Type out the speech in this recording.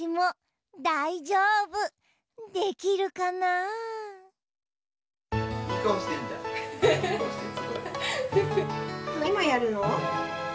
いまやるの？